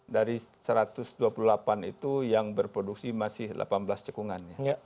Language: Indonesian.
dari satu ratus dua puluh delapan itu yang berproduksi masih delapan belas cekungan